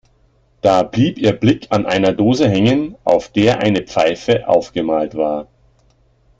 Da blieb ihr Blick an einer Dose hängen, auf der eine Pfeife aufgemalt war.